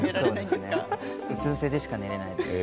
うつ伏せでしか寝られないんですか？